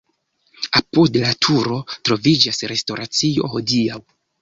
Apud la turo troviĝas restoracio hodiaŭ.